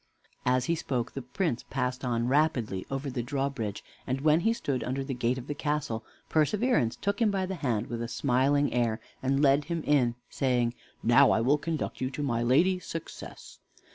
As he spoke, the Prince passed on rapidly over the drawbridge; and when he stood under the gate of the castle, Perseverance took him by the hand with a smiling air, and led him in, saying: "Now I will conduct you to my lady, Success."